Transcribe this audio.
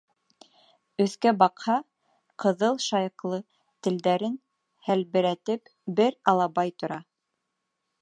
Өҫкә баҡһа, ҡыҙыл шайыҡлы телдәрен һәлберәтеп бер алабай тора.